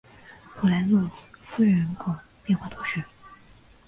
普莱洛夫人口变化图示